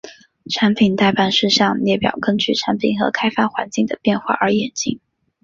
产品待办事项列表根据产品和开发环境的变化而演进。